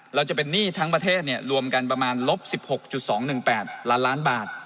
เราจะเป็นหนี้ทั้งประเทศรวมกันประมาณลบ๑๖๒๑๘ล้านล้านบาท